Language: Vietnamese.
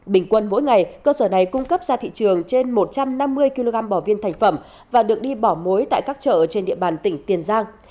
bình quân mỗi ngày cơ sở này cung cấp ra thị trường trên một trăm năm mươi kg bò viên thành phẩm và được đi bỏ mối tại các chợ trên địa bàn tỉnh tiền giang